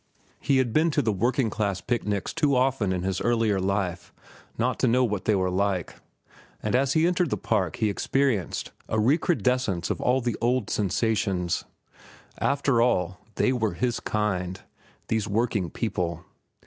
He had been to the working class picnics too often in his earlier life not to know what they were like, and as he entered the park he experienced a recrudescence of all the old sensations. After all, they were his kind, these working people.